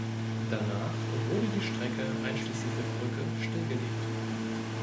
Danach wurde die Strecke einschließlich der Brücke stillgelegt.